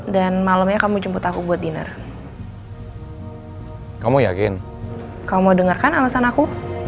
dan malamnya kamu jemput aku buat diner kamu yakin kamu dengerkan alasan aku